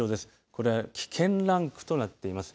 これ危険ランクとなっています。